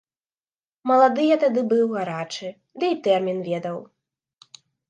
Малады я тады быў, гарачы, ды і тэрмін ведаў.